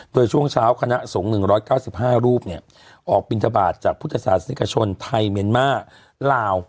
โดยช่วงเช้าคณะสงฆ์๑๙๕รูปออกบินทบาทจากพุทธศาสนิกชนไทยเมียนมาลาว